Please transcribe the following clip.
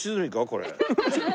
これ。